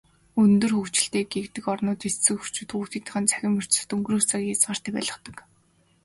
Өндөр хөгжилтэй гэгддэг орнуудад эцэг эхчүүд хүүхдүүдийнхээ цахим ертөнцөд өнгөрөөх цагийг хязгаартай байлгадаг.